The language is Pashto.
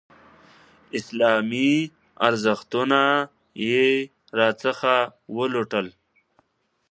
اسلامي ارزښتونه یې راڅخه ولوټل.